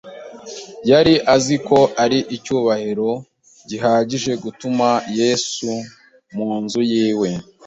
Yari azi ko ari icyubahiro gihagije gutumira Yesu mu nzu y'iwe.